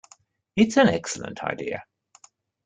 It's an excellent idea.